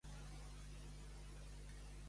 La llengua és el millor i el pitjor del món.